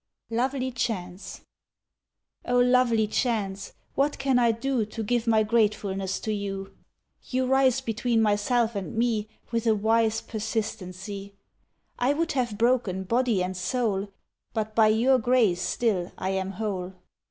Lovely Chance O lovely chance, what can I do To give my gratefulness to you? You rise between myself and me With a wise persistency; I would have broken body and soul, But by your grace, still I am whole.